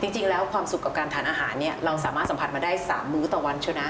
จริงแล้วความสุขกับการทานอาหารเนี่ยเราสามารถสัมผัสมาได้๓มื้อต่อวันใช่ไหม